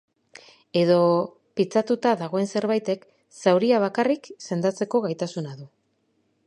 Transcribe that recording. Edo pitzatuta dagoen zerbaitek zauria bakarrik sendatzeko gaitasuna du.